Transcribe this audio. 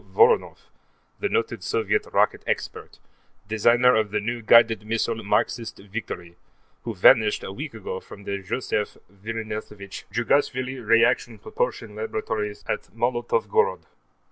Voronoff, the noted Soviet rocket expert, designer of the new guided missile Marxist Victory, who vanished a week ago from the Josef Vissarionovitch Djugashvli Reaction Propulsion Laboratories at Molotovgorod.